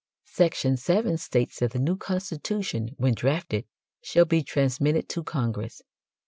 Section 7 states that the new constitution, when drafted, shall be transmitted to Congress.